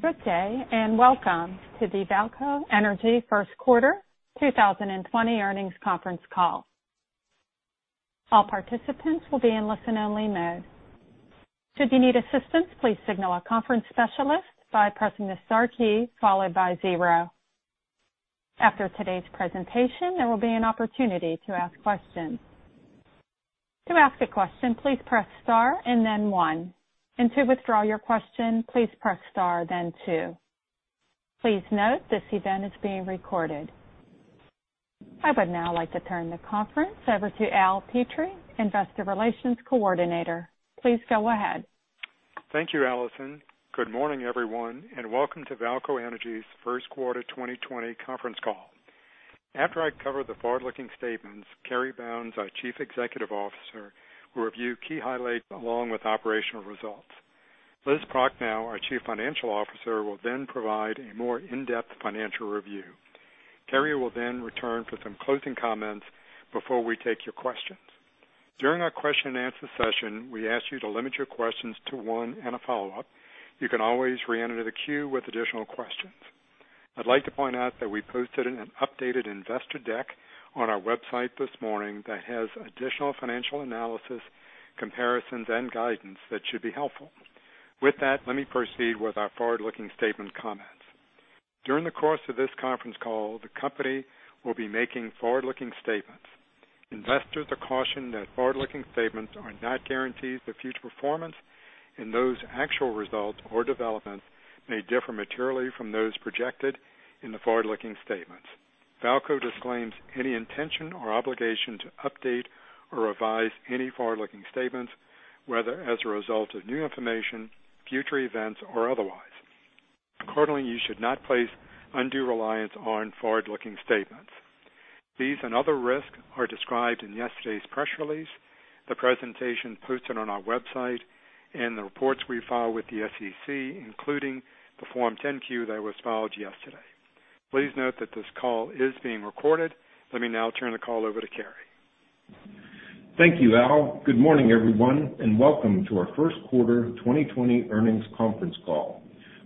Good day, and welcome to the VAALCO Energy Q1 2020 earnings conference call. All participants will be in listen only mode. Should you need assistance, please signal our conference specialist by pressing the star key followed by zero. After today's presentation, there will be an opportunity to ask questions. To ask a question, please press star and then one. To withdraw your question, please press star then two. Please note this event is being recorded. I would now like to turn the conference over to Al Petrie, Investor Relations Coordinator. Please go ahead. Thank you, Allison. Good morning, everyone, and welcome to VAALCO Energy's Q1 2020 conference call. After I cover the forward-looking statements, Cary Bounds, our Chief Executive Officer, will review key highlights along with operational results. Liz Prochnow, our Chief Financial Officer, will then provide a more in-depth financial review. Cary will then return for some closing comments before we take your questions. During our question and answer session, we ask you to limit your questions to one and a follow-up. You can always reenter the queue with additional questions. I'd like to point out that we posted an updated investor deck on our website this morning that has additional financial analysis, comparisons, and guidance that should be helpful. With that, let me proceed with our forward-looking statement comments. During the course of this conference call, the company will be making forward-looking statements. Investors are cautioned that forward-looking statements are not guarantees of future performance, and those actual results or developments may differ materially from those projected in the forward-looking statements. VAALCO disclaims any intention or obligation to update or revise any forward-looking statements, whether as a result of new information, future events, or otherwise. Accordingly, you should not place undue reliance on forward-looking statements. These and other risks are described in yesterday's press release, the presentation posted on our website, and the reports we file with the SEC, including the Form 10-Q that was filed yesterday. Please note that this call is being recorded. Let me now turn the call over to Cary. Thank you, Al. Good morning, everyone, and welcome to our Q1 2020 earnings conference call.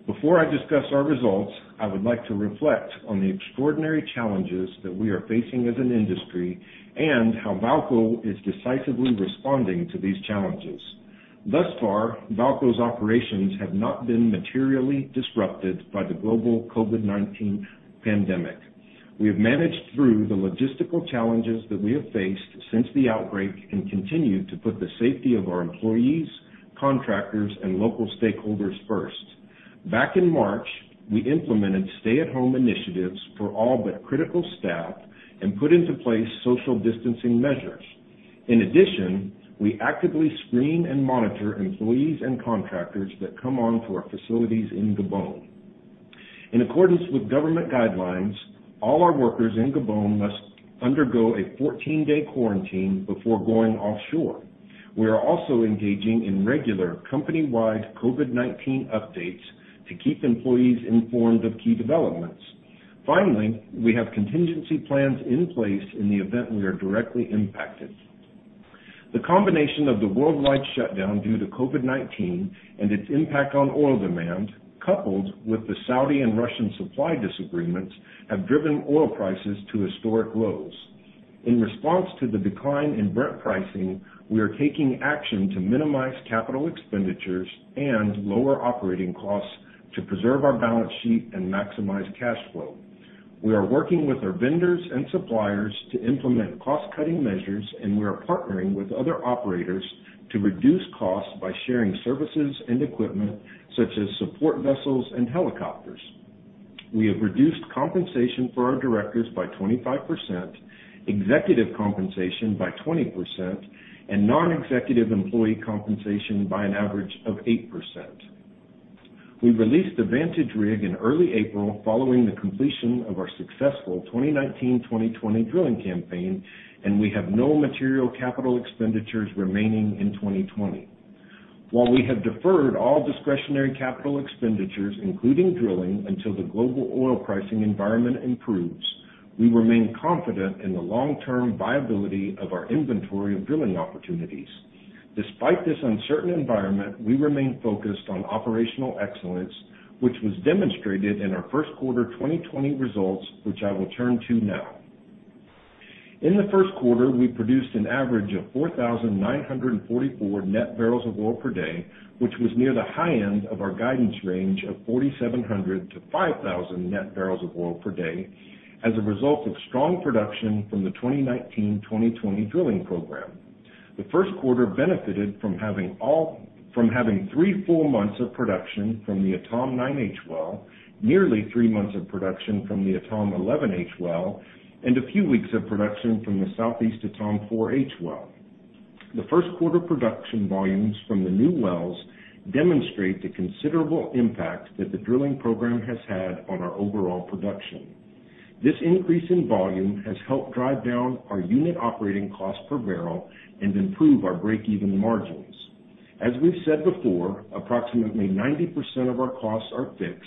Before I discuss our results, I would like to reflect on the extraordinary challenges that we are facing as an industry and how VAALCO is decisively responding to these challenges. Thus far, VAALCO's operations have not been materially disrupted by the global COVID-19 pandemic. We have managed through the logistical challenges that we have faced since the outbreak and continue to put the safety of our employees, contractors, and local stakeholders first. Back in March, we implemented stay-at-home initiatives for all but critical staff and put into place social distancing measures. In addition, we actively screen and monitor employees and contractors that come onto our facilities in Gabon. In accordance with government guidelines, all our workers in Gabon must undergo a 14-day quarantine before going offshore. We are also engaging in regular company-wide COVID-19 updates to keep employees informed of key developments. Finally, we have contingency plans in place in the event we are directly impacted. The combination of the worldwide shutdown due to COVID-19 and its impact on oil demand, coupled with the Saudi and Russian supply disagreements, have driven oil prices to historic lows. In response to the decline in Brent pricing, we are taking action to minimize capital expenditures and lower operating costs to preserve our balance sheet and maximize cash flow. We are working with our vendors and suppliers to implement cost-cutting measures, and we are partnering with other operators to reduce costs by sharing services and equipment such as support vessels and helicopters. We have reduced compensation for our directors by 25%, executive compensation by 20%, and non-executive employee compensation by an average of 8%. We released the Vantage rig in early April following the completion of our successful 2019-2020 drilling campaign, and we have no material capital expenditures remaining in 2020. While we have deferred all discretionary capital expenditures, including drilling, until the global oil pricing environment improves, we remain confident in the long-term viability of our inventory of drilling opportunities. Despite this uncertain environment, we remain focused on operational excellence, which was demonstrated in our Q1 2020 results, which I will turn to now. In the Q1, we produced an average of 4,944 net barrels of oil per day, which was near the high end of our guidance range of 4,700 to 5,000 net barrels of oil per day as a result of strong production from the 2019-2020 drilling program. The Q1 benefited from having three full months of production from the Etame 9H well, nearly three months of production from the Etame 11H well, and a few weeks of production from the Southeast Etame 4H well. The Q1 production volumes from the new wells demonstrate the considerable impact that the drilling program has had on our overall production. This increase in volume has helped drive down our unit operating cost per barrel and improve our break-even margins. As we've said before, approximately 90% of our costs are fixed.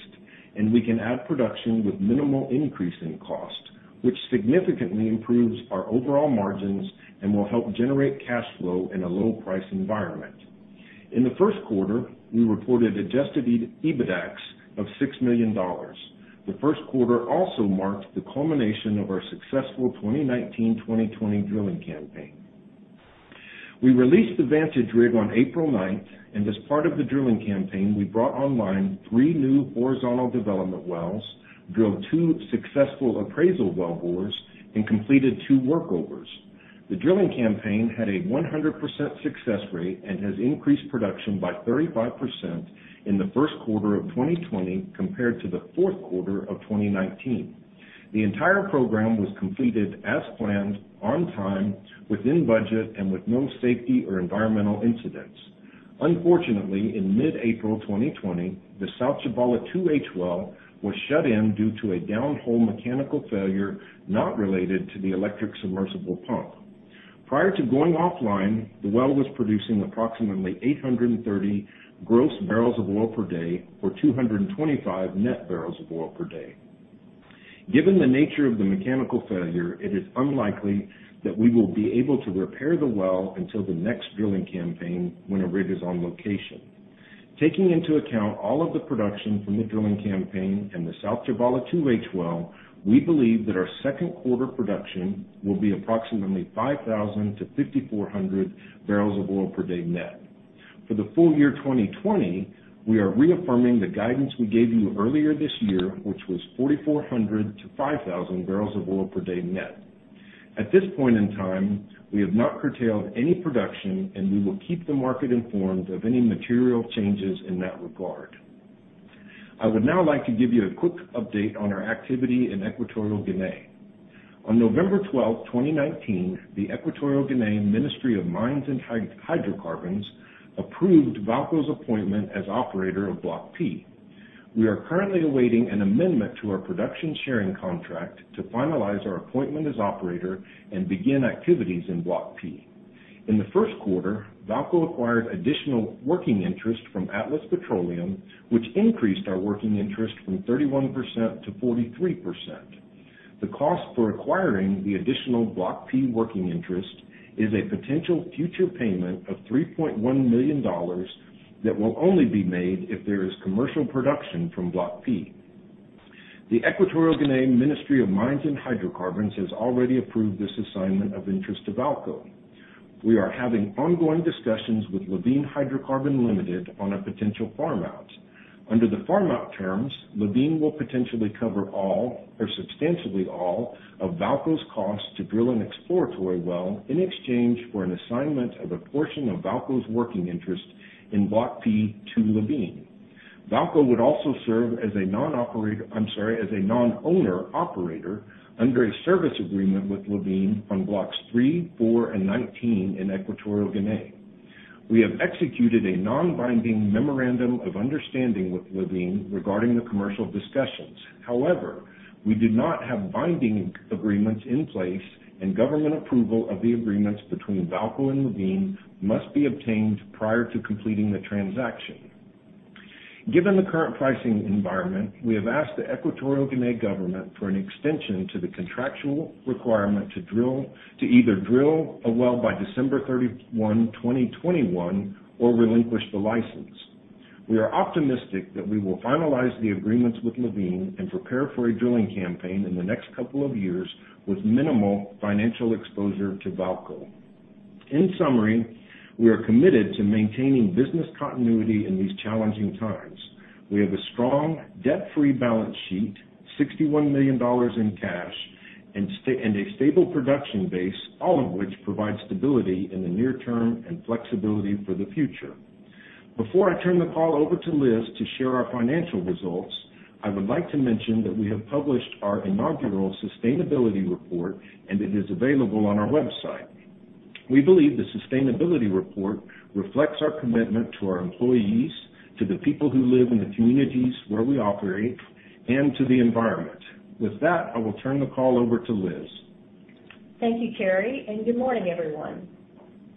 We can add production with minimal increase in cost, which significantly improves our overall margins and will help generate cash flow in a low-price environment. In the Q1, we reported adjusted EBITDAX of $6 million. The Q1 also marked the culmination of our successful 2019/2020 drilling campaign. We released the Vantage rig on April 9th, and as part of the drilling campaign, we brought online three new horizontal development wells, drilled two successful appraisal wellbores, and completed two workovers. The drilling campaign had a 100% success rate and has increased production by 35% in the Q1 of 2020 compared to the Q4 of 2019. The entire program was completed as planned, on time, within budget, and with no safety or environmental incidents. Unfortunately, in mid-April 2020, the South Tchibala-2H well was shut in due to a down-hole mechanical failure not related to the electric submersible pump. Prior to going offline, the well was producing approximately 830 gross barrels of oil per day or 225 net barrels of oil per day. Given the nature of the mechanical failure, it is unlikely that we will be able to repair the well until the next drilling campaign when a rig is on location. Taking into account all of the production from the drilling campaign and the South Tchibala-2H well, we believe that our Q2 production will be approximately 5,000-5,400 bbls of oil per day net. For the full year 2020, we are reaffirming the guidance we gave you earlier this year, which was 4,400-5,000 bbls of oil per day net. At this point in time, we have not curtailed any production, and we will keep the market informed of any material changes in that regard. I would now like to give you a quick update on our activity in Equatorial Guinea. On November 12, 2019, the Equatorial Guinea Ministry of Mines and Hydrocarbons approved VAALCO's appointment as operator of Block P. We are currently awaiting an amendment to our production sharing contract to finalize our appointment as operator and begin activities in Block P. In the Q1, VAALCO acquired additional working interest from Atlas Petroleum, which increased our working interest from 31%-43%. The cost for acquiring the additional Block P working interest is a potential future payment of $3.1 million that will only be made if there is commercial production from Block P. The Equatorial Guinea Ministry of Mines and Hydrocarbons has already approved this assignment of interest to VAALCO. We are having ongoing discussions with Levene Hydrocarbon Limited on a potential farm-out. Under the farm-out terms, Levene will potentially cover all or substantially all of VAALCO's costs to drill an exploratory well in exchange for an assignment of a portion of VAALCO's working interest in Block P to Levene. VAALCO would also serve as a non-owner operator under a service agreement with Levene on Blocks 3, 4, and 19 in Equatorial Guinea. We have executed a non-binding memorandum of understanding with Levene regarding the commercial discussions. We do not have binding agreements in place, and government approval of the agreements between VAALCO and Levene must be obtained prior to completing the transaction. Given the current pricing environment, we have asked the Equatorial Guinea government for an extension to the contractual requirement to either drill a well by December 31, 2021, or relinquish the license. We are optimistic that we will finalize the agreements with Levene and prepare for a drilling campaign in the next couple of years with minimal financial exposure to VAALCO. In summary, we are committed to maintaining business continuity in these challenging times. We have a strong debt-free balance sheet, $61 million in cash, and a stable production base, all of which provide stability in the near term and flexibility for the future. Before I turn the call over to Liz to share our financial results, I would like to mention that we have published our inaugural sustainability report, and it is available on our website. We believe the sustainability report reflects our commitment to our employees, to the people who live in the communities where we operate, and to the environment. With that, I will turn the call over to Liz. Thank you, Cary, and good morning, everyone.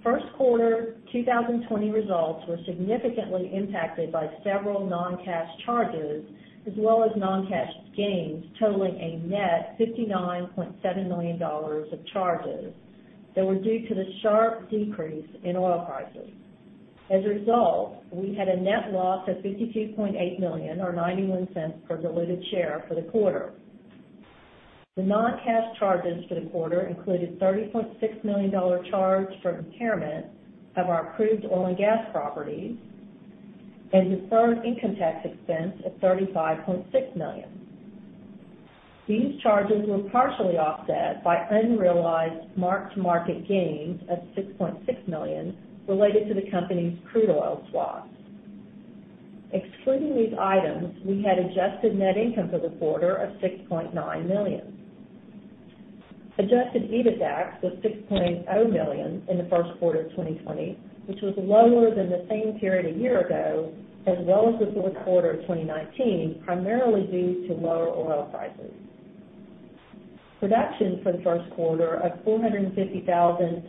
Q1 2020 results were significantly impacted by several non-cash charges, as well as non-cash gains totaling a net $59.7 million of charges that were due to the sharp decrease in oil prices. As a result, we had a net loss of $52.8 million, or $0.91 per diluted share for the quarter. The non-cash charges for the quarter included a $30.6 million charge from impairment of our proved oil and gas properties and deferred income tax expense of $35.6 million. These charges were partially offset by unrealized mark-to-market gains of $6.6 million related to the company's crude oil swaps. Excluding these items, we had adjusted net income for the quarter of $6.9 million. Adjusted EBITDAX was $6.0 million in the Q1 of 2020, which was lower than the same period a year ago, as well as the Q4 of 2019, primarily due to lower oil prices. Production for the Q1 of 450,000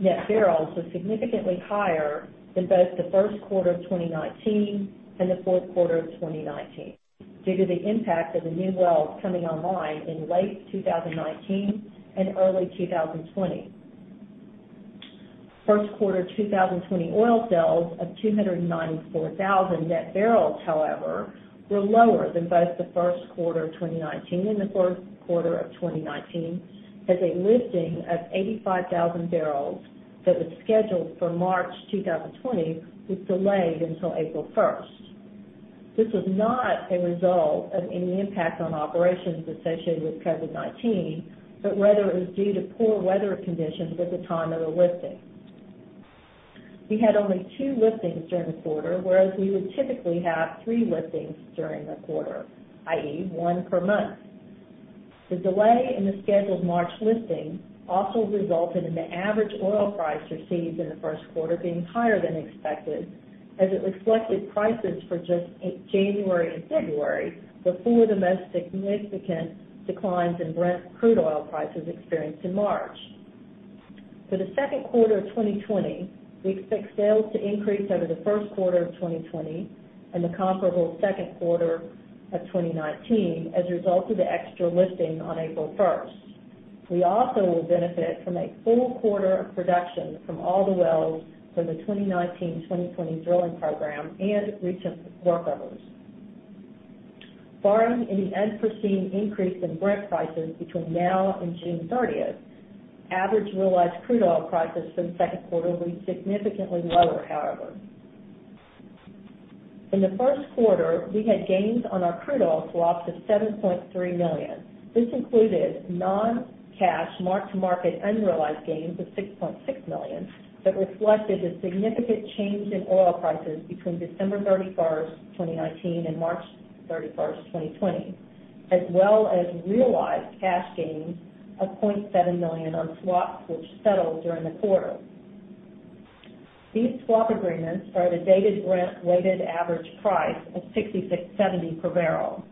net barrels was significantly higher than both the Q1 of 2019 and the Q4 of 2019 due to the impact of the new wells coming online in late 2019 and early 2020. Q1 2020 oil sales of 294,000 net barrels, however, were lower than both the Q1 of 2019 and the Q4 of 2019, as a lifting of 85,000 bbls that was scheduled for March 2020 was delayed until April 1st. This was not a result of any impact on operations associated with COVID-19, but rather it was due to poor weather conditions at the time of the lifting. We had only two liftings during the quarter, whereas we would typically have three liftings during the quarter, i.e., one per month. The delay in the scheduled March lifting also resulted in the average oil price received in the Q1 being higher than expected, as it reflected prices for just January and February, before the most significant declines in Brent crude oil prices experienced in March. For the Q2 of 2020, we expect sales to increase over the Q1 of 2020 and the comparable Q2 of 2019 as a result of the extra lifting on April 1st. We also will benefit from a full quarter of production from all the wells from the 2019-2020 drilling program and recent workovers. Barring any unforeseen increase in Brent prices between now and June 30th, average realized crude oil prices for the Q2 will be significantly lower, however. In the Q1, we had gains on our crude oil swaps of $7.3 million. This included non-cash, mark-to-market unrealized gains of $6.6 million that reflected the significant change in oil prices between December 31st, 2019 and March 31st, 2020, as well as realized cash gains of $0.7 million on swaps which settled during the quarter. These swap agreements are at a dated Brent weighted average price of $66.70 per barrel.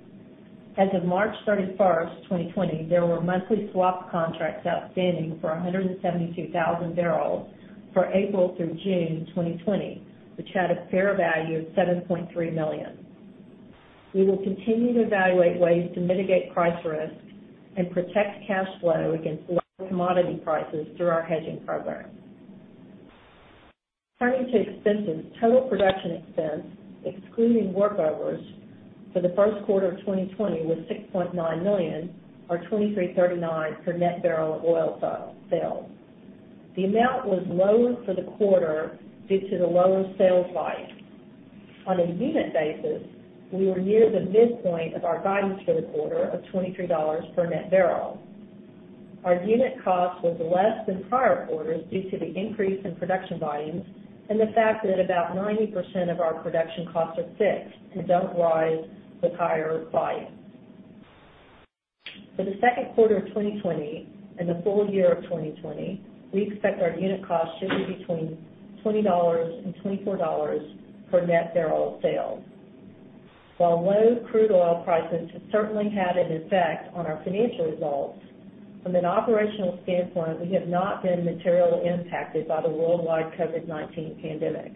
As of March 31st, 2020, there were monthly swap contracts outstanding for 172,000 bbls for April through June 2020, which had a fair value of $7.3 million. We will continue to evaluate ways to mitigate price risk and protect cash flow against low commodity prices through our hedging program. Turning to expenses, total production expense, excluding workovers for the Q1 of 2020, was $6.9 million, or $23.39 per net barrel of oil sales. The amount was lower for the quarter due to the lower sales volume. On a unit basis, we were near the midpoint of our guidance for the quarter of $23 per net barrel. Our unit cost was less than prior quarters due to the increase in production volumes and the fact that about 90% of our production costs are fixed and don't rise with higher volumes. For the Q2 of 2020 and the full year of 2020, we expect our unit cost should be between $20 and $24 per net barrel sales. While low crude oil prices have certainly had an effect on our financial results, from an operational standpoint, we have not been materially impacted by the worldwide COVID-19 pandemic.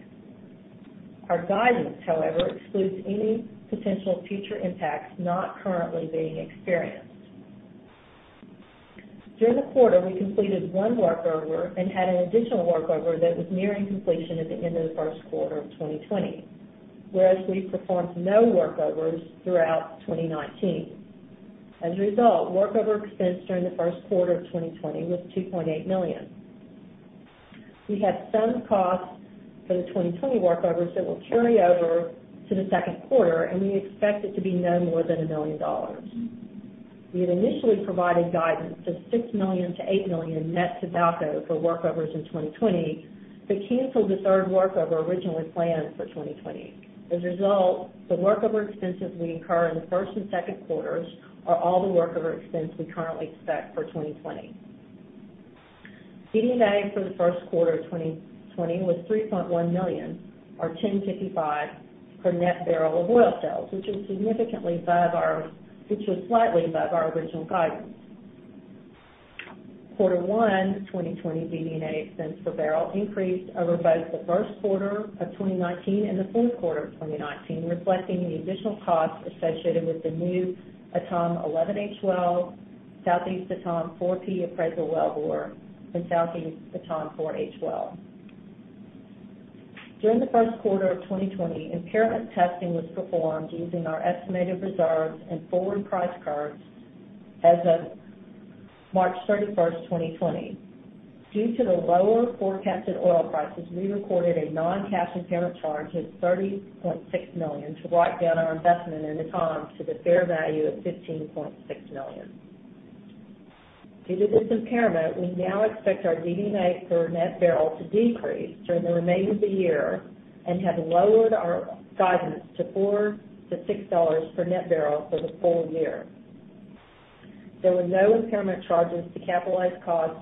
Our guidance, however, excludes any potential future impacts not currently being experienced. During the quarter, we completed one workover and had an additional workover that was nearing completion at the end of the Q1 of 2020, whereas we performed no workovers throughout 2019. As a result, workover expense during the Q1 of 2020 was $2.8 million. We have some costs for the 2020 workovers that will carry over to the Q2, and we expect it to be no more than $1 million. We had initially provided guidance of $6 million-$8 million net to VAALCO for workovers in 2020, but canceled the third workover originally planned for 2020. As a result, the workover expenses we incur in the Q1 and Q2 are all the workover expense we currently expect for 2020. DD&A for the Q1 of 2020 was $3.1 million, or $10.55 per net barrel of oil sales, which was slightly above our original guidance. Q1 2020 DD&A expense per barrel increased over both the Q1 of 2019 and the Q4 of 2019, reflecting the additional costs associated with the new Etame 11H well, Southeast Etame 4P appraisal well bore, and Southeast Etame 4H well. During the Q1 of 2020, impairment testing was performed using our estimated reserves and forward price curves as of March 31st, 2020. Due to the lower forecasted oil prices, we recorded a non-cash impairment charge of $30.6 million to write down our investment in Etame to the fair value of $15.6 million. Due to this impairment, we now expect our DD&A per net barrel to decrease during the remainder of the year and have lowered our guidance to $4-$6 per net barrel for the full year. There were no impairment charges to capitalized costs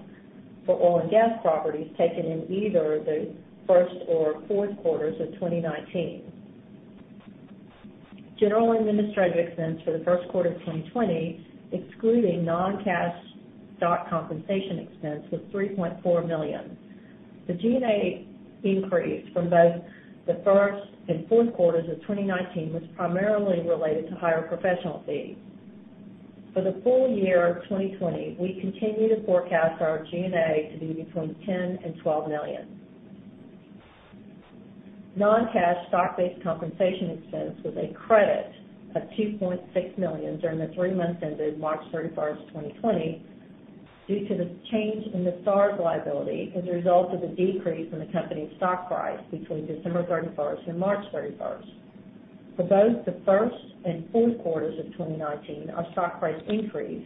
for oil and gas properties taken in either the Q1 or Q4 of 2019. General and administrative expense for the Q1 of 2020, excluding non-cash stock compensation expense, was $3.4 million. The G&A increase from both the first and Q4 of 2019 was primarily related to higher professional fees. For the full year of 2020, we continue to forecast our G&A to be between $10 million and $12 million. Non-cash stock-based compensation expense was a credit of $2.6 million during the three months ended March 31st, 2020, due to the change in the SAR liability as a result of the decrease in the company's stock price between December 31st and March 31st. For both the Q1 and Q4 of 2019, our stock price increased,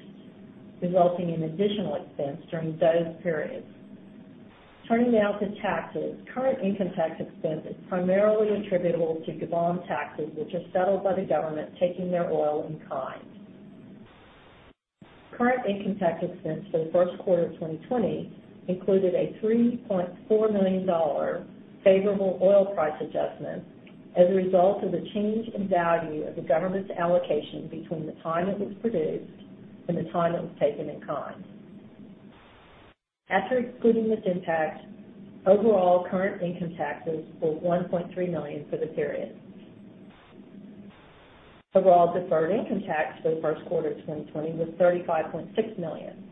resulting in additional expense during those periods. Turning now to taxes. Current income tax expense is primarily attributable to Gabon taxes, which are settled by the government taking their oil in kind. Current income tax expense for the Q1 of 2020 included a $3.4 million favorable oil price adjustment as a result of the change in value of the government's allocation between the time it was produced and the time it was taken in kind. After excluding this impact, overall current income taxes were $1.3 million for the period. Overall deferred income tax for the Q1 2020 was $35.6 million.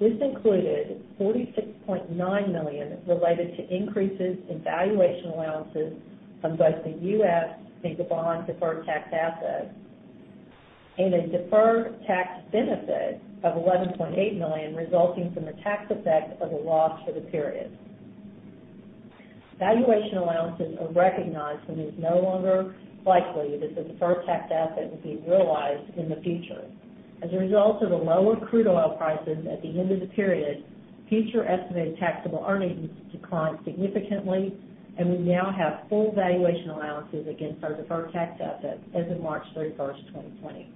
This included $46.9 million related to increases in valuation allowances from both the U.S. and Gabon deferred tax assets, and a deferred tax benefit of $11.8 million resulting from the tax effect of the loss for the period. Valuation allowances are recognized when it's no longer likely that the deferred tax asset will be realized in the future. As a result of the lower crude oil prices at the end of the period, future estimated taxable earnings declined significantly, and we now have full valuation allowances against our deferred tax assets as of March 31st, 2020.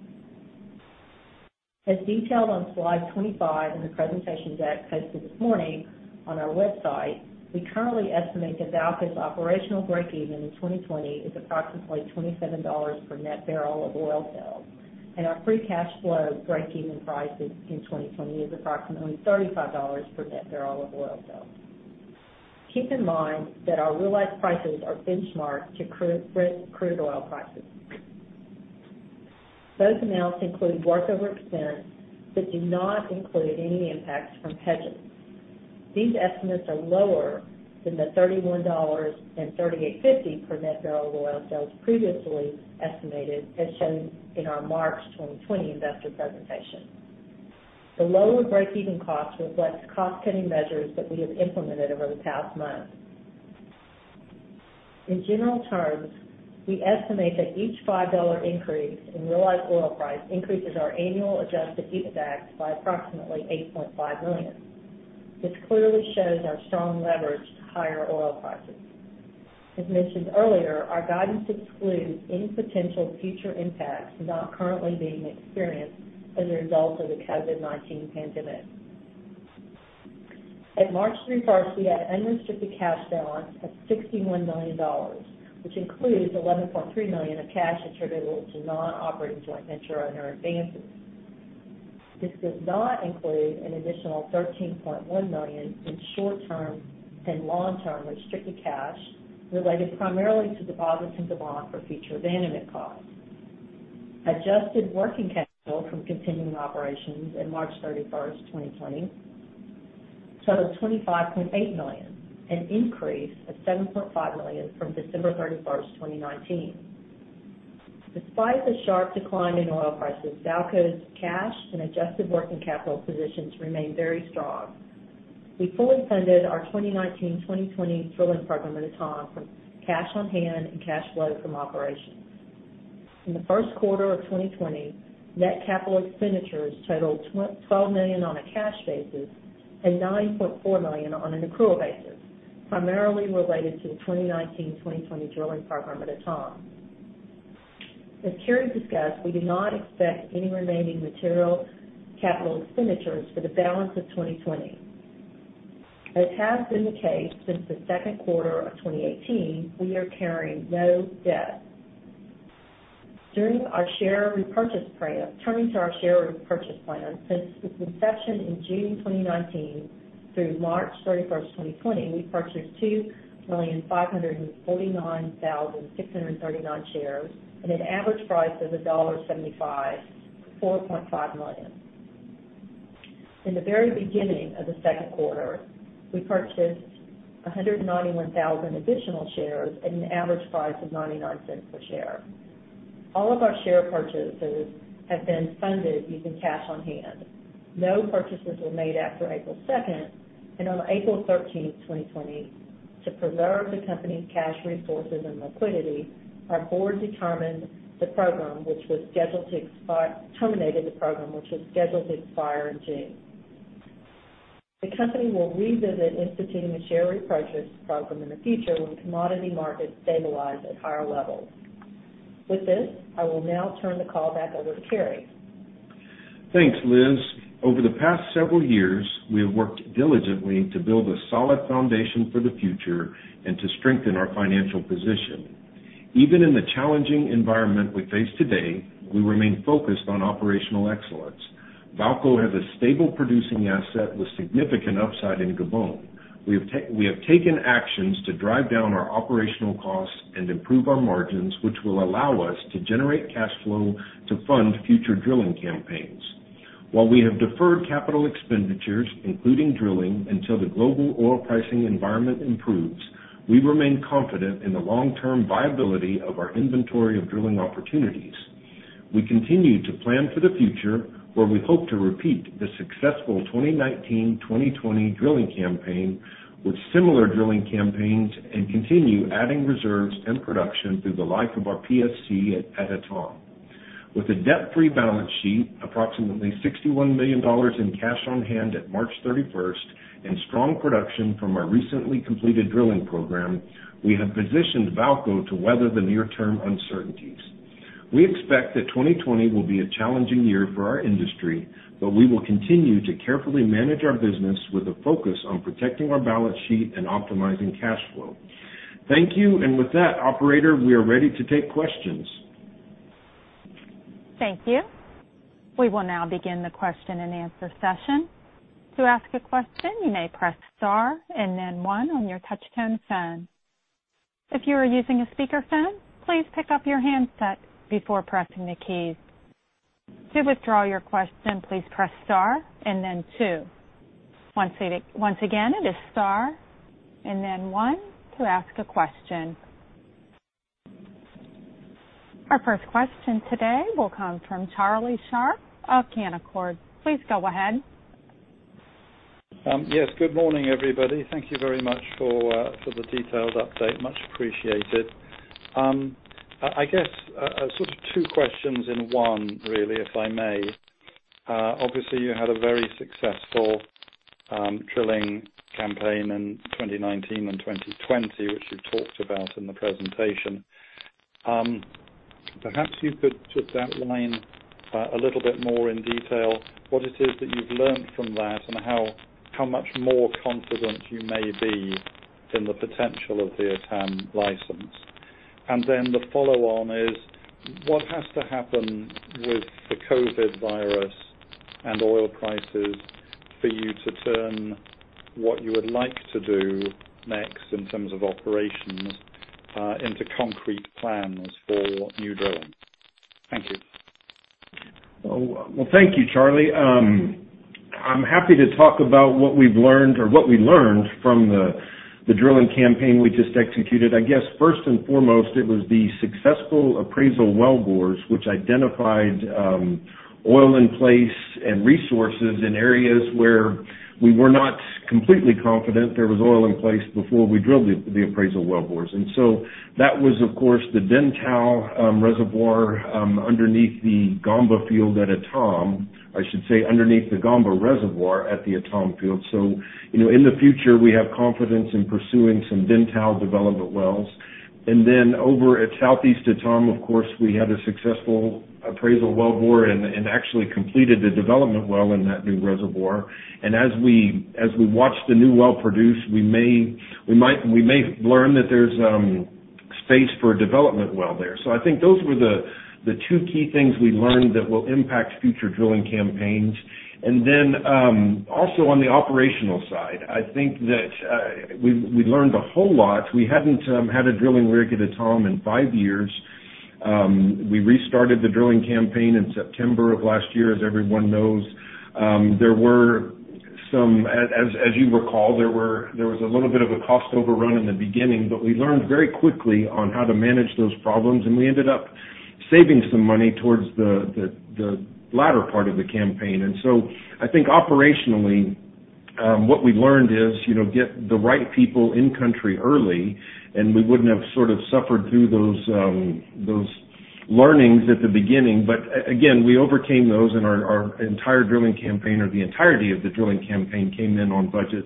As detailed on slide 25 in the presentation deck posted this morning on our website, we currently estimate that VAALCO's operational breakeven in 2020 is approximately $27 per net barrel of oil sales. Our free cash flow breakeven price in 2020 is approximately $35 per net barrel of oil sales. Keep in mind that our realized prices are benchmarked to crude oil prices. Those amounts include workover expense but do not include any impacts from hedges. These estimates are lower than the $31 and $38.50 per net barrel of oil sales previously estimated, as shown in our March 2020 investor presentation. The lower breakeven cost reflects cost-cutting measures that we have implemented over the past month. In general terms, we estimate that each $5 increase in realized oil price increases our annual adjusted EBITDA by approximately $8.5 million. This clearly shows our strong leverage to higher oil prices. As mentioned earlier, our guidance excludes any potential future impacts not currently being experienced as a result of the COVID-19 pandemic. At March 31st, we had unrestricted cash balance of $61 million, which includes $11.3 million of cash attributable to non-operating joint venture owner advances. This does not include an additional $13.1 million in short-term and long-term restricted cash related primarily to deposits in Gabon for future abandonment costs. Adjusted working capital from continuing operations in March 31st, 2020, totaled $25.8 million, an increase of $7.5 million from December 31st, 2019. Despite the sharp decline in oil prices, VAALCO's cash and adjusted working capital positions remain very strong. We fully funded our 2019-2020 drilling program at Etame from cash on hand and cash flow from operations. In the Q1 of 2020, net capital expenditures totaled $12 million on a cash basis and $9.4 million on an accrual basis, primarily related to the 2019-2020 drilling program at Etame. As Cary discussed, we do not expect any remaining material capital expenditures for the balance of 2020. As has been the case since the Q2 of 2018, we are carrying no debt. Turning to our share repurchase plan, since its inception in June 2019 through March 31st, 2020, we purchased 2,549,639 shares at an average price of $1.75, $4.5 million. In the very beginning of the Q2, we purchased 191,000 additional shares at an average price of $0.99 per share. All of our share purchases have been funded using cash on hand. No purchases were made after April 2nd, and on April 13th, 2020, to preserve the company's cash resources and liquidity, our board terminated the program, which was scheduled to expire in June. The company will revisit instituting a share repurchase program in the future when commodity markets stabilize at higher levels. With this, I will now turn the call back over to Cary. Thanks, Liz. Over the past several years, we have worked diligently to build a solid foundation for the future and to strengthen our financial position. Even in the challenging environment we face today, we remain focused on operational excellence. VAALCO has a stable producing asset with significant upside in Gabon. We have taken actions to drive down our operational costs and improve our margins, which will allow us to generate cash flow to fund future drilling campaigns. While we have deferred capital expenditures, including drilling, until the global oil pricing environment improves, we remain confident in the long-term viability of our inventory of drilling opportunities. We continue to plan for the future, where we hope to repeat the successful 2019/2020 drilling campaign with similar drilling campaigns and continue adding reserves and production through the life of our PSC at Etame. With a debt-free balance sheet, approximately $61 million in cash on hand at March 31st, and strong production from our recently completed drilling program, we have positioned VAALCO to weather the near-term uncertainties. We expect that 2020 will be a challenging year for our industry, we will continue to carefully manage our business with a focus on protecting our balance sheet and optimizing cash flow. Thank you. With that, operator, we are ready to take questions. Thank you. We will now begin the question-and-answer session. To ask a question, you may press star and then one on your touchtone phone. If you are using a speakerphone, please pick up your handset before pressing the keys. To withdraw your question, please press star and then two. Once again, it is star and then one to ask a question. Our first question today will come from Charlie Sharp of Canaccord. Please go ahead. Yes. Good morning, everybody. Thank you very much for the detailed update. Much appreciated. I guess sort of two questions in one really, if I may. Obviously, you had a very successful drilling campaign in 2019 and 2020, which you talked about in the presentation. Perhaps you could just outline a little bit more in detail what it is that you've learned from that and how much more confident you may be in the potential of the Etame license. The follow-on is, what has to happen with the COVID virus and oil prices for you to turn what you would like to do next in terms of operations into concrete plans for new drilling? Thank you. Well, thank you, Charlie. I'm happy to talk about what we've learned or what we learned from the drilling campaign we just executed. I guess first and foremost, it was the successful appraisal wellbores which identified oil in place and resources in areas where we were not completely confident there was oil in place before we drilled the appraisal wellbores. That was, of course, the Dentale reservoir underneath the Gamba field at Etame, I should say, underneath the Gamba reservoir at the Etame field. In the future, we have confidence in pursuing some Dentale development wells. Over at Southeast Etame, of course, we had a successful appraisal wellbore and actually completed a development well in that new reservoir. As we watch the new well produce, we may learn that there's space for a development well there. I think those were the two key things we learned that will impact future drilling campaigns. Also on the operational side, I think that we learned a whole lot. We hadn't had a drilling rig at Etame in five years. We restarted the drilling campaign in September of last year, as everyone knows. As you recall, there was a little bit of a cost overrun in the beginning, but we learned very quickly on how to manage those problems, and we ended up saving some money towards the latter part of the campaign. I think operationally, what we learned is get the right people in-country early, and we wouldn't have sort of suffered through those learnings at the beginning. Again, we overcame those in our entire drilling campaign, or the entirety of the drilling campaign came in on budget.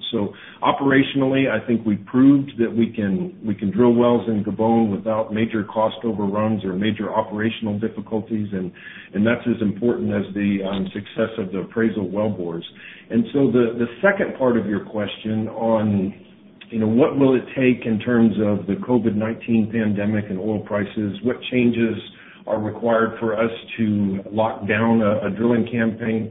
Operationally, I think we proved that we can drill wells in Gabon without major cost overruns or major operational difficulties, and that's as important as the success of the appraisal wellbores. The second part of your question on what will it take in terms of the COVID-19 pandemic and oil prices, what changes are required for us to lock down a drilling campaign?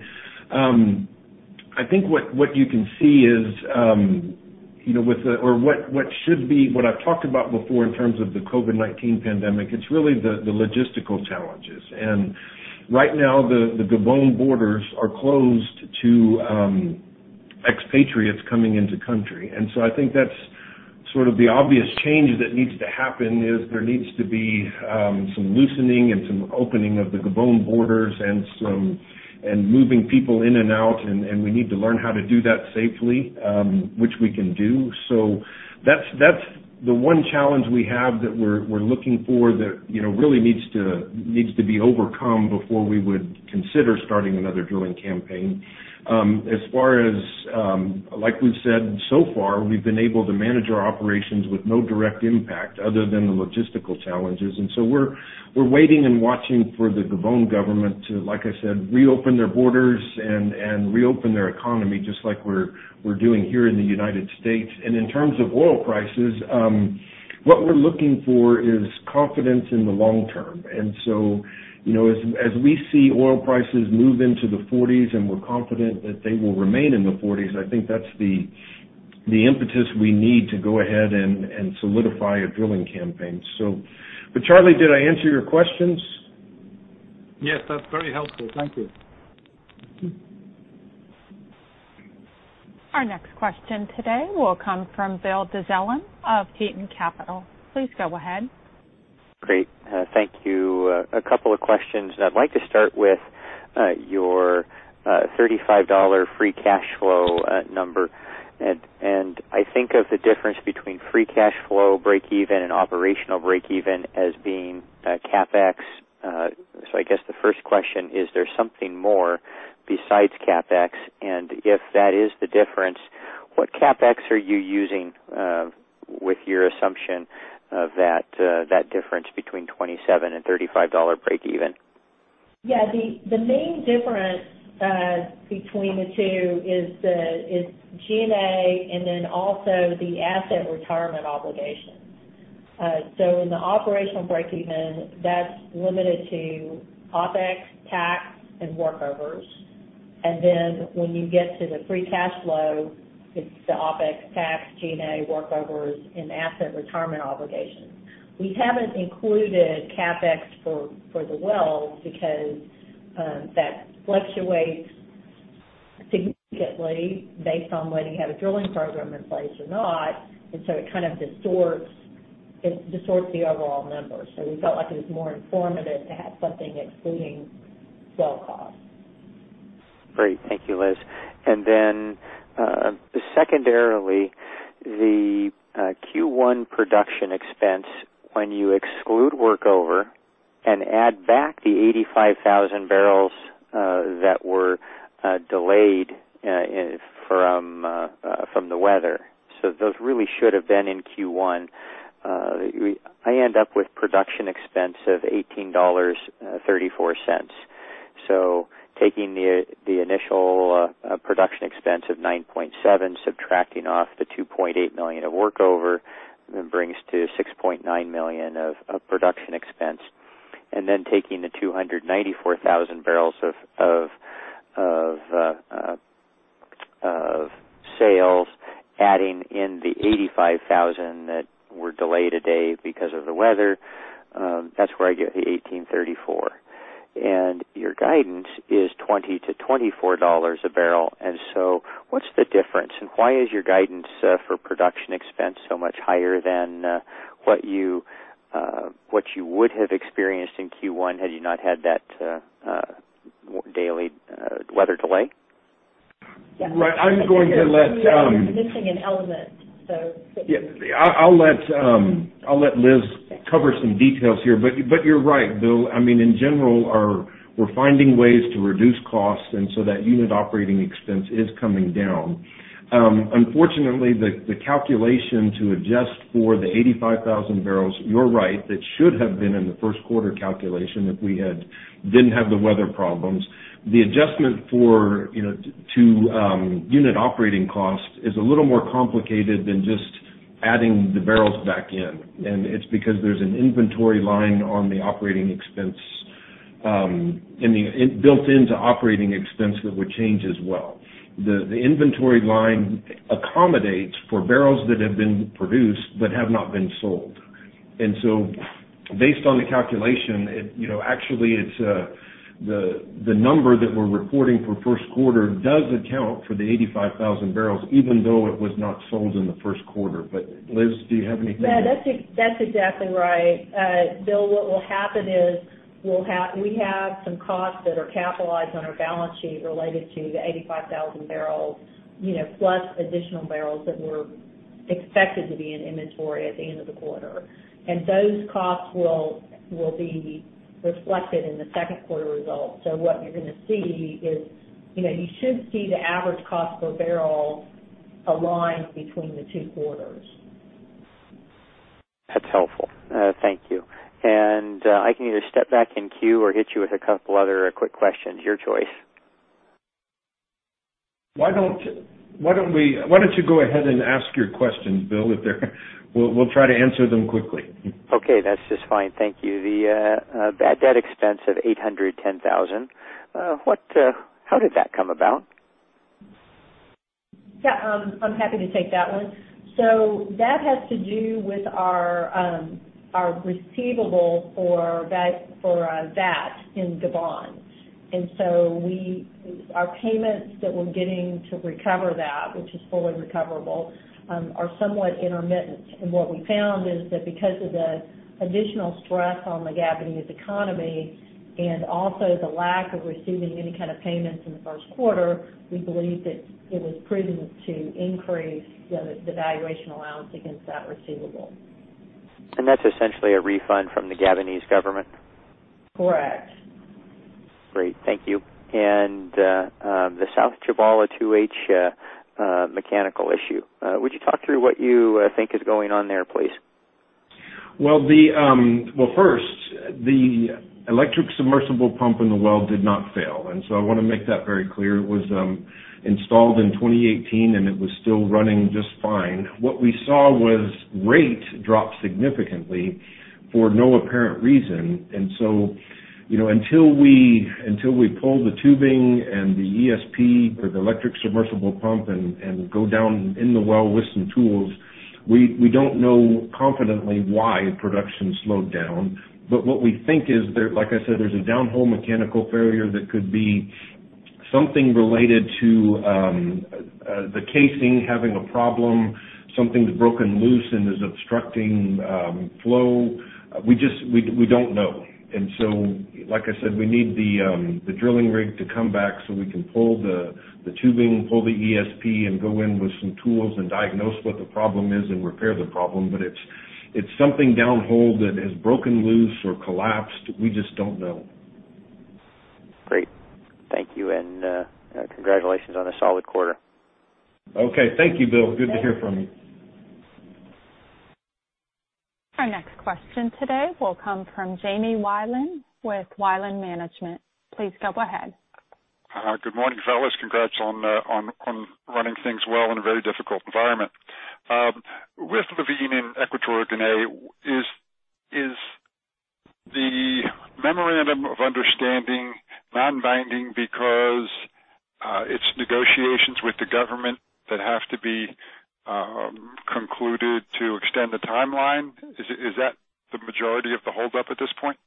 I think what you can see is, or what should be what I've talked about before in terms of the COVID-19 pandemic, it's really the logistical challenges. Right now, the Gabon borders are closed to expatriates coming into the country. I think that's sort of the obvious change that needs to happen, is there needs to be some loosening and some opening of the Gabon borders and moving people in and out, and we need to learn how to do that safely, which we can do. That's the one challenge we have that we're looking for that really needs to be overcome before we would consider starting another drilling campaign. Like we've said so far, we've been able to manage our operations with no direct impact other than the logistical challenges. We're waiting and watching for the Gabon government to, like I said, reopen their borders and reopen their economy just like we're doing here in the United States. In terms of oil prices, what we're looking for is confidence in the long term. As we see oil prices move into the 40s, and we're confident that they will remain in the 40s, I think that's the impetus we need to go ahead and solidify a drilling campaign. Charlie, did I answer your questions? Yes. That's very helpful. Thank you. Our next question today will come from Bill Dezellem of Tieton Capital. Please go ahead. Great. Thank you. A couple of questions. I'd like to start with your $35 free cash flow number. I think of the difference between free cash flow breakeven and operational breakeven as being CapEx. I guess the first question, is there something more besides CapEx? If that is the difference, what CapEx are you using with your assumption of that difference between $27 and $35 breakeven? The main difference between the two is the G&A, and then also the asset retirement obligation. In the operational breakeven, that's limited to OpEx, tax, and workovers. When you get to the free cash flow, it's the OpEx, tax, G&A, workovers, and asset retirement obligations. We haven't included CapEx for the wells because that fluctuates significantly based on whether you have a drilling program in place or not. It distorts the overall numbers. We felt like it was more informative to have something excluding well costs. Great. Thank you, Liz. Secondarily, the Q1 production expense, when you exclude workover and add back the 85,000 bbls that were delayed from the weather. Those really should have been in Q1. I end up with production expense of $18.34. Taking the initial production expense of $9.7 million, subtracting off the $2.8 million of workover, brings to $6.9 million of production expense. Taking the 294,000 bbls of sales, adding in the 85,000 bbls that were delayed a day because of the weather, that's where I get the $18.34. Your guidance is $20-$24 a barrel. What's the difference, and why is your guidance for production expense so much higher than what you would have experienced in Q1 had you not had that daily weather delay? Yes. Right. You're missing an element. Yeah. I'll let Liz cover some details here, but you're right, Bill. In general, we're finding ways to reduce costs, and so that unit operating expense is coming down. Unfortunately, the calculation to adjust for the 85,000 bbls, you're right, that should have been in the Q1 calculation if we didn't have the weather problems. The adjustment to unit operating cost is a little more complicated than just adding the barrels back in. It's because there's an inventory line on the operating expense, built into operating expense that would change as well. The inventory line accommodates for barrels that have been produced but have not been sold. Based on the calculation, actually, the number that we're reporting for Q1 does account for the 85,000 bbls, even though it was not sold in the Q1. Liz, do you have anything to add? Yeah, that's exactly right. Bill, what will happen is we have some costs that are capitalized on our balance sheet related to the 85,000 bbls, plus additional barrels that were expected to be in inventory at the end of the quarter. Those costs will be reflected in the Q2 results. What you're going to see is you should see the average cost per barrel align between the two quarters. That's helpful. Thank you. I can either step back in queue or hit you with a couple other quick questions. Your choice. Why don't you go ahead and ask your questions, Bill. We'll try to answer them quickly. Okay. That's just fine. Thank you. The bad debt expense of $810,000, how did that come about? Yeah, I'm happy to take that one. That has to do with our receivable for that in Gabon. Our payments that we're getting to recover that, which is fully recoverable, are somewhat intermittent. What we found is that because of the additional stress on the Gabonese economy and also the lack of receiving any kind of payments in the Q1, we believe that it was prudent to increase the valuation allowance against that receivable. That's essentially a refund from the Gabonese government? Correct. Great. Thank you. The South Tchibala 2H mechanical issue, would you talk through what you think is going on there, please? Well, first, the electric submersible pump in the well did not fail. I want to make that very clear. It was installed in 2018, and it was still running just fine. What we saw was rate drop significantly for no apparent reason. Until we pull the tubing and the ESP or the electric submersible pump and go down in the well with some tools, we don't know confidently why production slowed down. What we think is, like I said, there's a down-hole mechanical failure that could be something related to the casing having a problem, something's broken loose and is obstructing flow. We don't know. Like I said, we need the drilling rig to come back so we can pull the tubing, pull the ESP, and go in with some tools and diagnose what the problem is and repair the problem. It's something down-hole that has broken loose or collapsed. We just don't know. Great. Thank you, and congratulations on a solid quarter. Okay. Thank you, Bill. Good to hear from you. Our next question today will come from Jamie Wilen with Wilen Investment Management. Please go ahead. Good morning, fellas. Congrats on running things well in a very difficult environment. With Levene in Equatorial Guinea, is the memorandum of understanding non-binding because it's negotiations with the government that have to be concluded to extend the timeline? Is that the majority of the holdup at this point?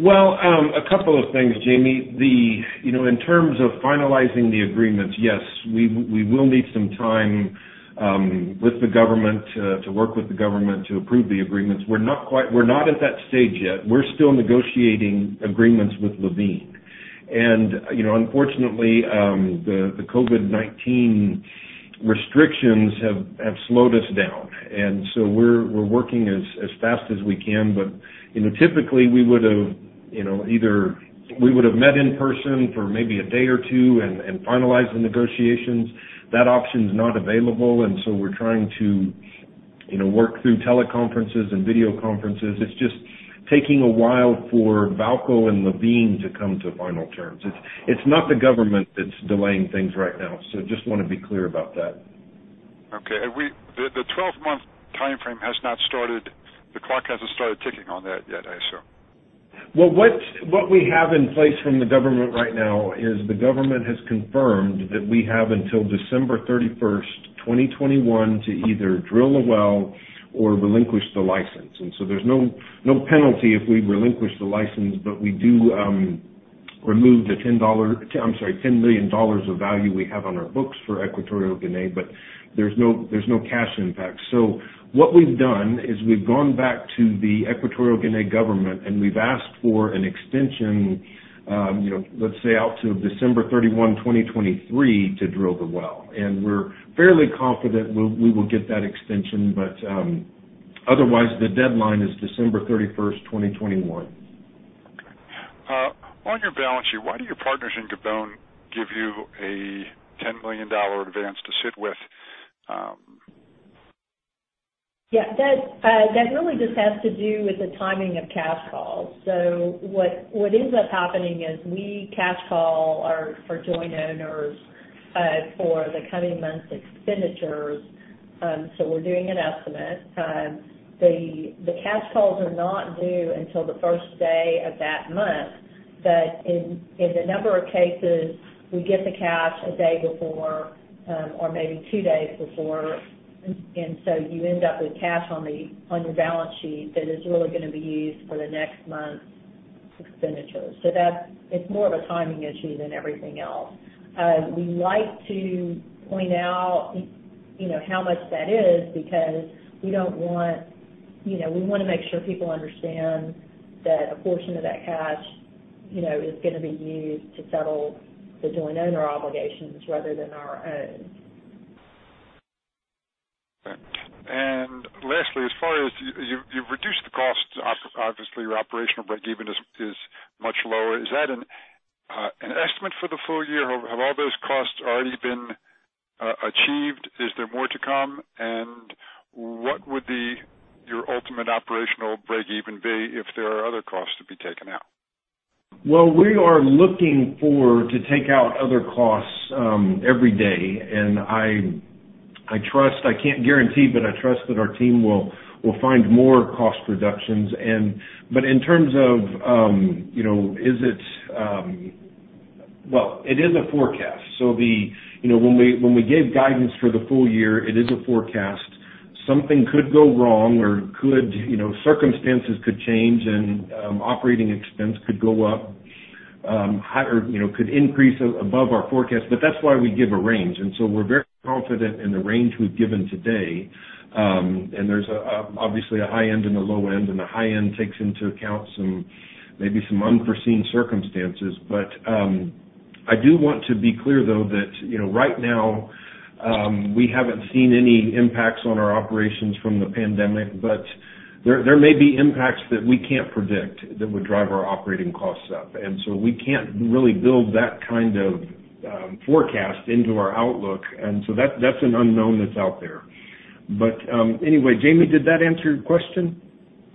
A couple of things, Jamie. In terms of finalizing the agreements, yes, we will need some time with the government to work with the government to approve the agreements. We're not at that stage yet. We're still negotiating agreements with Levene. Unfortunately, the COVID-19 restrictions have slowed us down. We're working as fast as we can, but typically, we would have met in person for maybe a day or two and finalized the negotiations. That option's not available, we're trying to work through teleconferences and video conferences. It's just taking a while for VAALCO and Levene to come to final terms. It's not the government that's delaying things right now. I just want to be clear about that. Okay. The 12-month timeframe has not started. The clock hasn't started ticking on that yet, I assume. What we have in place from the government right now is the government has confirmed that we have until December 31st, 2021 to either drill the well or relinquish the license. There's no penalty if we relinquish the license, but we do remove the $10 million of value we have on our books for Equatorial Guinea, but there's no cash impact. What we've done is we've gone back to the Equatorial Guinea government, and we've asked for an extension let's say out to December 31, 2023 to drill the well. We're fairly confident we will get that extension. Otherwise, the deadline is December 31st, 2021. Okay. On your balance sheet, why do your partners in Gabon give you a $10 million advance to sit with? That really just has to do with the timing of cash calls. What ends up happening is we cash call our joint owners for the coming month's expenditures. We're doing an estimate. The cash calls are not due until the first day of that month, but in a number of cases, we get the cash a day before, or maybe two days before. You end up with cash on your balance sheet that is really going to be used for the next month's expenditures. That is more of a timing issue than everything else. We like to point out how much that is because we want to make sure people understand that a portion of that cash is going to be used to settle the joint owner obligations rather than our own. Lastly, as far as you've reduced the cost. Obviously, your operational break-even is much lower. Is that an estimate for the full year? Have all those costs already been achieved? Is there more to come? What would your ultimate operational break-even be if there are other costs to be taken out? Well, we are looking to take out other costs every day. I can't guarantee, but I trust that our team will find more cost reductions. In terms of well, it is a forecast. When we gave guidance for the full year, it is a forecast. Something could go wrong or circumstances could change. Operating expense could go up, could increase above our forecast. That's why we give a range. We're very confident in the range we've given today. There's obviously a high end and a low end. The high end takes into account maybe some unforeseen circumstances. I do want to be clear, though, that right now, we haven't seen any impacts on our operations from the pandemic. There may be impacts that we can't predict that would drive our operating costs up. We can't really build that kind of forecast into our outlook. That's an unknown that's out there. Anyway, Jamie, did that answer your question?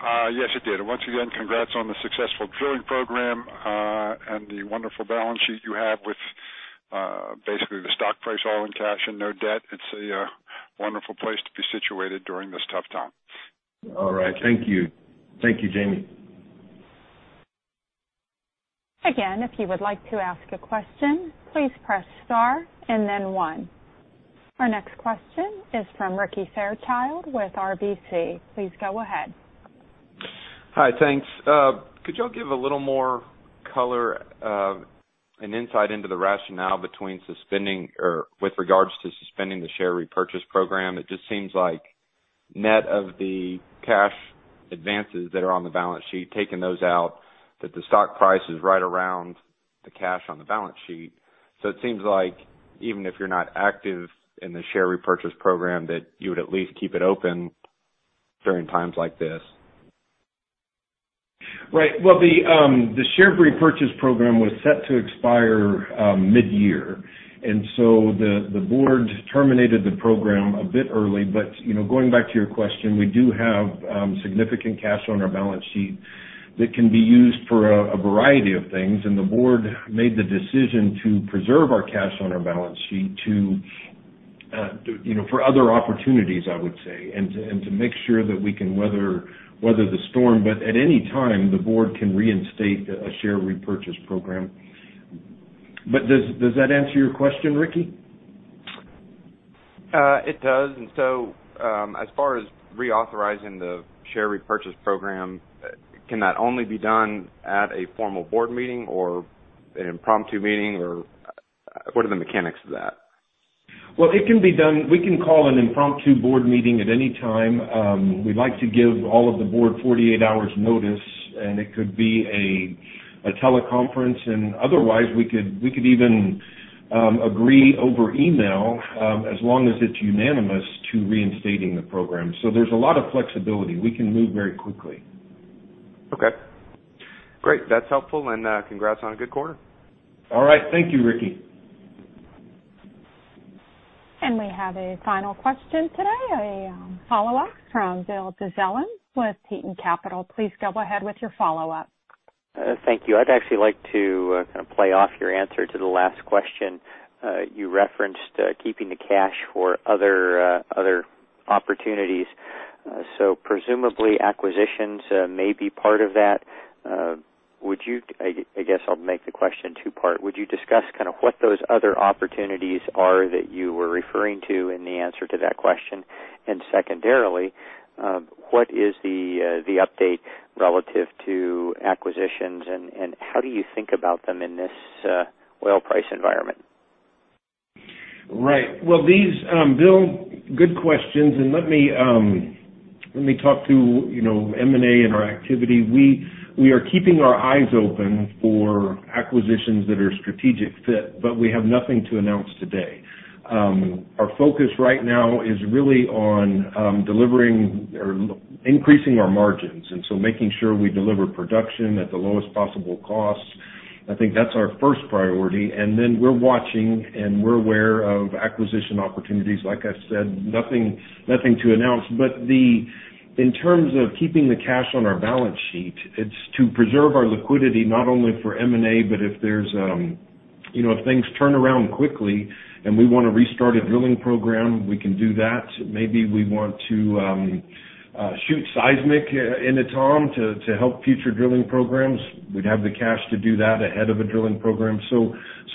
Yes, it did. Once again, congrats on the successful drilling program, and the wonderful balance sheet you have with basically the stock price all in cash and no debt. It's a wonderful place to be situated during this tough time. All right. Thank you. Thank you, Jamie. Again, if you would like to ask a question, please press star and then one. Our next question is from Ricky Fairchild with RBC. Please go ahead. Hi, thanks. Could y'all give a little more color of an insight into the rationale between suspending or with regards to suspending the share repurchase program? It just seems like net of the cash advances that are on the balance sheet, taking those out, that the stock price is right around the cash on the balance sheet. It seems like even if you're not active in the share repurchase program, that you would at least keep it open during times like this. Right. Well, the share repurchase program was set to expire mid-year, and so the board terminated the program a bit early. Going back to your question, we do have significant cash on our balance sheet that can be used for a variety of things, and the board made the decision to preserve our cash on our balance sheet for other opportunities, I would say, and to make sure that we can weather the storm. At any time, the board can reinstate a share repurchase program. Does that answer your question, Ricky? It does. As far as reauthorizing the share repurchase program, can that only be done at a formal board meeting or an impromptu meeting? What are the mechanics of that? Well, it can be done. We can call an impromptu board meeting at any time. We like to give all of the board 48 hours notice, and it could be a teleconference. Otherwise, we could even agree over email, as long as it's unanimous to reinstating the program. There's a lot of flexibility. We can move very quickly. Okay. Great. That's helpful. Congrats on a good quarter. All right. Thank you, Ricky. We have a final question today, a follow-up from Bill Dezellem with Tieton Capital. Please go ahead with your follow-up. Thank you. I'd actually like to play off your answer to the last question. You referenced keeping the cash for other opportunities. Presumably acquisitions may be part of that. I guess I'll make the question two-part. Would you discuss what those other opportunities are that you were referring to in the answer to that question? Secondarily, what is the update relative to acquisitions and how do you think about them in this oil price environment? Right. Well, Bill, good questions. Let me talk to M&A and our activity. We are keeping our eyes open for acquisitions that are strategic fit. We have nothing to announce today. Our focus right now is really on increasing our margins, making sure we deliver production at the lowest possible cost. I think that's our first priority. We're watching and we're aware of acquisition opportunities. Like I've said, nothing to announce. In terms of keeping the cash on our balance sheet, it's to preserve our liquidity not only for M&A, but if things turn around quickly and we want to restart a drilling program, we can do that. Maybe we want to shoot seismic in Etame to help future drilling programs. We'd have the cash to do that ahead of a drilling program.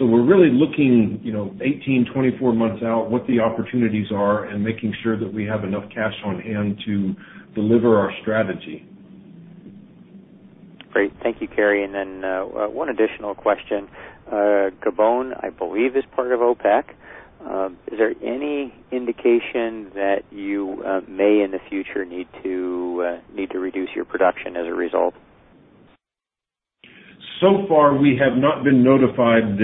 We're really looking 18, 24 months out what the opportunities are and making sure that we have enough cash on hand to deliver our strategy. Great. Thank you, Cary. One additional question. Gabon, I believe, is part of OPEC. Is there any indication that you may in the future need to reduce your production as a result? So far we have not been notified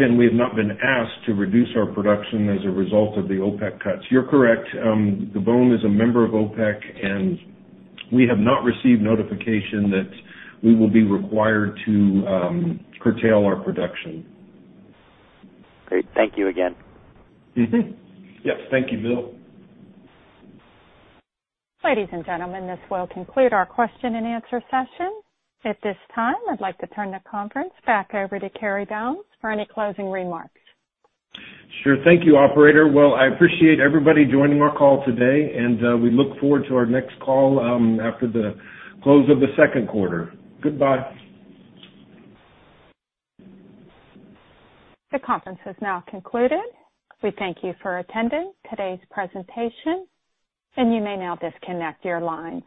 and we have not been asked to reduce our production as a result of the OPEC cuts. You are correct. Gabon is a member of OPEC. We have not received notification that we will be required to curtail our production. Great. Thank you again. Mm-hmm. Yep. Thank you, Bill. Ladies and gentlemen, this will conclude our question and answer session. At this time, I'd like to turn the conference back over to Cary Bounds for any closing remarks. Sure. Thank you, Operator. Well, I appreciate everybody joining our call today, and we look forward to our next call after the close of the Q2. Goodbye. The conference has now concluded. We thank you for attending today's presentation, and you may now disconnect your lines.